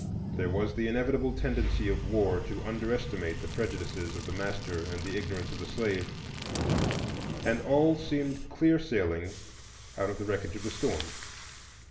There was the inevitable tendency of war to underestimate the prejudices of the master and the ignorance of the slave, and all seemed clear sailing out of the wreckage of the storm.